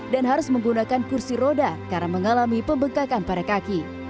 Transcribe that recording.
dan harus menggunakan kursi roda karena mengalami pembengkakan pada kaki